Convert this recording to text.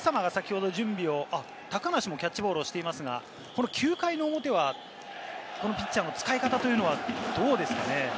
高梨もキャッチボールをしていますが、９回の表はピッチャーの使い方というのはどうですかね？